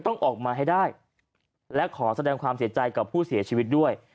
ต้องออกมาให้ได้และขอแสดงความเสียใจกับผู้เสียชีวิตด้วย